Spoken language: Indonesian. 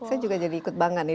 saya juga jadi ikut bangga nih